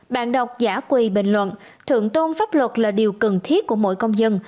bạn đọc giả quỳ bình luận thượng tôn pháp luật là điều cần thiết của mỗi công dân